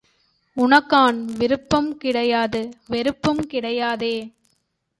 உனக்குக்கான் விருப்புங் கிடையாது வெறுப்புங் கிடையாதே.